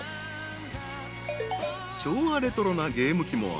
［昭和レトロなゲーム機もあり